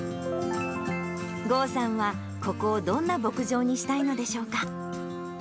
豪さんは、ここをどんな牧場にしたいのでしょうか。